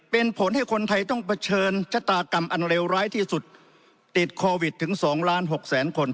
เป็นผลให้คนไทยต้องเผชิญชะตากรรมอันเลวร้ายที่สุดติดโควิดถึง๒ล้านหกแสนคน